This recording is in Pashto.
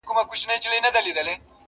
ما جوړ كړي په قلاوو كي غارونه.!